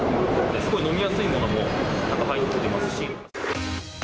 すごい飲みやすいものもなんか入っていますし。